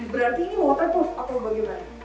berarti ini waterproof atau bagaimana